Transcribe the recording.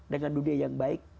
dengan dunia yang baik